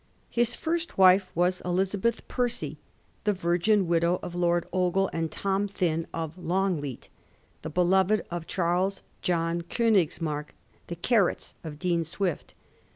His first wife was Elizabeth Percy, the virgin widow of Lord Ogle and Tom Thynne of Longleat, the beloved of Charles John Eonigsmark, the ^ Carrots ' of Dean Swift.